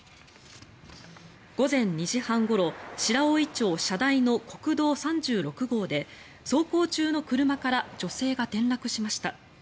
午前２時半ごろ、白老町社台の国道３６号で走行中の車から女性が転落しました。